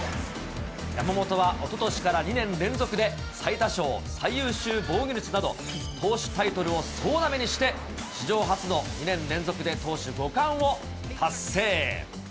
山本はおととしから２年連続で、最多勝、最優秀防御率など、投手タイトルを総なめにして史上初の２年連続で投手５冠を達成。